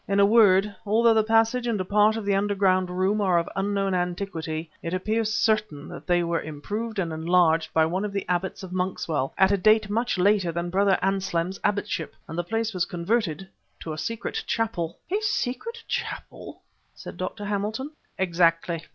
In a word, although the passage and a part of the underground room are of unknown antiquity, it appears certain that they were improved and enlarged by one of the abbots of Monkswell at a date much later than Brother Anselm's abbotship and the place was converted to a secret chapel " "A secret chapel!" said Dr. Hamilton. "Exactly.